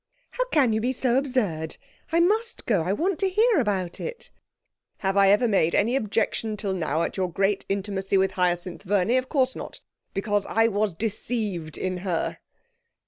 'How can you be so absurd? I must go; I want to hear about it.' 'Have I ever made any objection till now at your great intimacy with Hyacinth Verney? Of course not. Because I was deceived in her.'